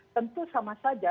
tentu sama saja